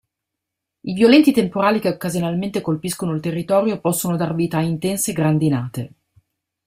I violenti temporali che occasionalmente colpiscono il territorio possono dar vita a intense grandinate.